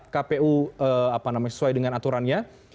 kpu sesuai dengan aturannya